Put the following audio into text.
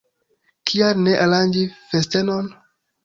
Kial ne aranĝi festenon?